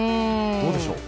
どうでしょう。